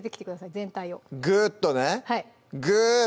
全体をグッとねグッ